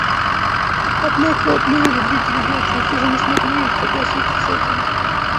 Однако одна или две делегации все же не смогли согласиться с этим.